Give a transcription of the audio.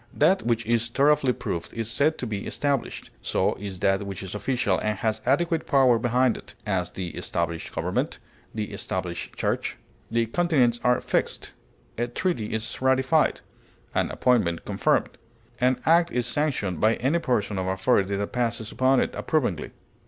That which is thoroughly proved is said to be established; so is that which is official and has adequate power behind it; as, the established government; the established church. The continents are fixed. A treaty is ratified; an appointment confirmed. An act is sanctioned by any person or authority that passes upon it approvingly.